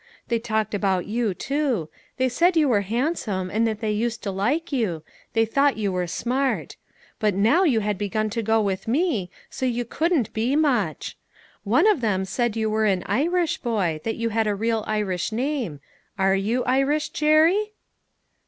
They talked about you, too ; they said you were handsome, and they used to like you ; they thought you were smart. But now you had begun to go with me, so you couldn't be much. One of them said you were an Irish boy, that you had a real Irish name. Are you Irish, Jerry?"